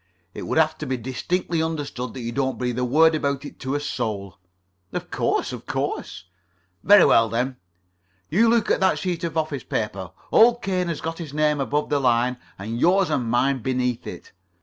It would have to be distinctly understood that you don't breathe a word about it to a soul." "Of course, of course." [Pg 40]"Very well, then. You look at that sheet of office paper. Old Cain has got his name above the line, and yours and mine beneath it.